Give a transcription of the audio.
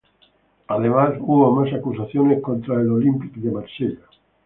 Además, hubo más acusaciones contra el Olympique de Marsella.